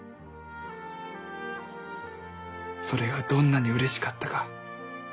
それがどんなにうれしかったか。